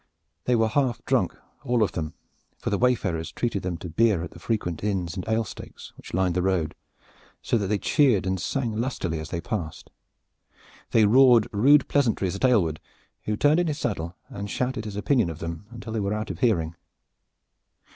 They were half drunk all of them, for the wayfarers treated them to beer at the frequent inns and ale stakes which lined the road, so that they cheered and sang lustily as they passed. They roared rude pleasantries at Aylward, who turned in his saddle and shouted his opinion of them until they were out of hearing.